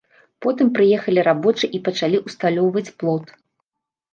Потым прыехалі рабочыя і пачалі ўсталёўваць плот.